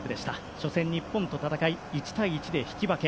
初戦、日本と戦い１対１で引き分け。